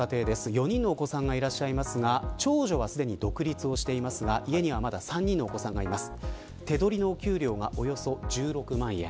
４人のお子さんがいらっしゃいますが長女はすでに独立していますが家にはまだ３人のお子さんがいます。